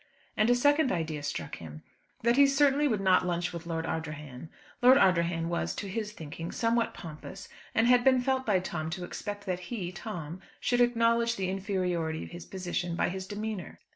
And a second idea struck him, that he certainly would not lunch with Lord Ardrahan. Lord Ardrahan was, to his thinking, somewhat pompous, and had been felt by Tom to expect that he, Tom, should acknowledge the inferiority of his position by his demeanour.